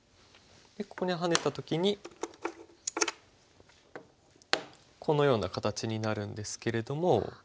ここにハネた時にこのような形になるんですけれども。